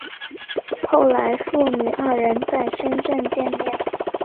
后来父女二人在深圳见面。